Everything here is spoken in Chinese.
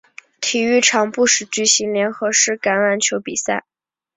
体育场不时举行联合式橄榄球比赛。